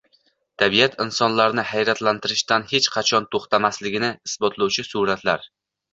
Tabiat insonlarni hayratlantirishdan hech qachon to‘xtamasligini isbotlovchi suratlar